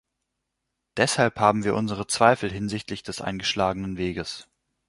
Deshalb haben wir unsere Zweifel hinsichtlich des eingeschlagenen Weges.